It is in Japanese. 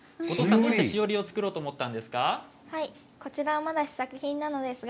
どうしてしおりを作ろうと思ったんですか。